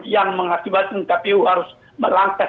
yang mengakibatkan kpu harus melangkah